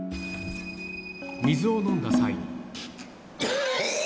水を飲んだ際に。